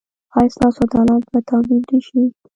ایا ستاسو عدالت به تامین نه شي؟